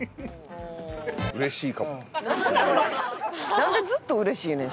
なんでずっとうれしいねん？